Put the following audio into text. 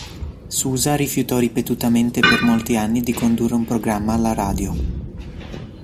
Sousa rifiutò ripetutamente per molti anni di condurre un programma alla radio.